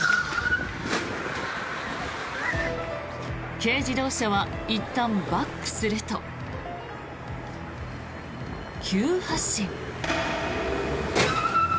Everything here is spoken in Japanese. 軽自動車はいったんバックすると急発進。